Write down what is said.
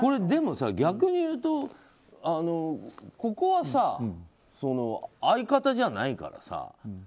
でもさ、逆にいうとここはさ、相方じゃないからさ。